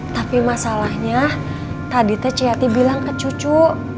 tapi masalahnya tadi teh ci yati bilang ke cucu